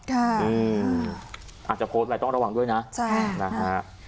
อืมอาจจะโพสต์ไปต้องระวังด้วยนะจ้ะนะฮะ